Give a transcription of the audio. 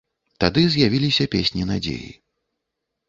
Тады з'явіліся песні надзеі.